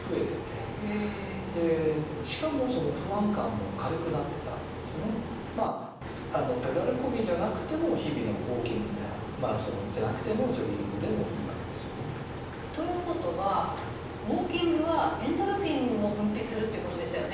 例えば国内のある研究ではですねある人たちにまあペダルこぎじゃなくても日々のウォーキングやマラソンじゃなくてもジョギングでもいいわけですよね。ということはウォーキングはエンドルフィンも分泌するということでしたよね。